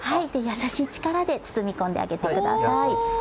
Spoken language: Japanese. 優しい力で包み込んであげてください。